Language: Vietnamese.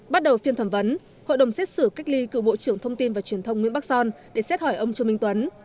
bắt đầu phiên thẩm vấn hội đồng xét xử cách ly cựu bộ trưởng thông tin và truyền thông nguyễn bắc son để xét hỏi ông trương minh tuấn